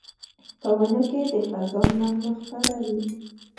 په ونو کې د خزان نغمه خپره وي